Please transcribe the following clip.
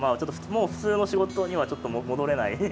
もう普通の仕事にはちょっと戻れない。